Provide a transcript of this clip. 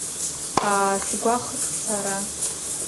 Аасгәахәт сара.